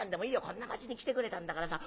こんな町に来てくれたんだからさ。